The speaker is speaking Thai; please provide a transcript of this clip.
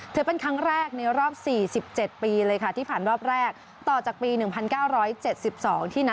เธอเป็นครั้งแรกในรอบสี่สิบเจ็ดปีเลยค่ะที่ผ่านรอบแรกต่อจากปีหนึ่งพันเก้าร้อยเจ็ดสิบสองที่นะ